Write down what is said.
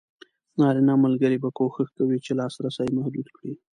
نارینه ملګري به کوښښ کوي چې لاسرسی محدود کړي.